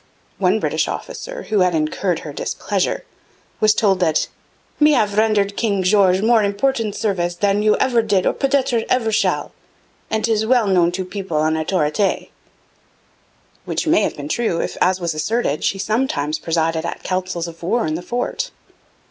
One British officer, who had incurred her displeasure, was told that 'Me have rendered King Shorge more important service dan ever you did or peut etre ever shall, and dis is well known to peoples en autorite,' which may have been true if, as was asserted, she sometimes presided at councils of war in the fort.